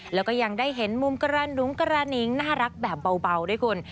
แล้วก็ยังได้เห็นมุมกระดุงกระนิงน่ารักแบบเบาด้วยคุณ